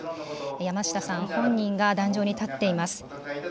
山下さん本人が壇上に立っています。